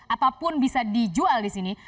apapun bisa dijual di sini